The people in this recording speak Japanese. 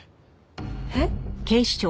えっ？